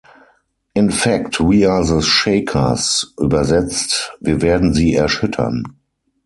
In fact we are the Shakers“, übersetzt: „Wir werden sie erschüttern.